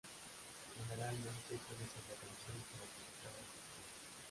Generalmente suele ser la canción con la que acaba el concierto.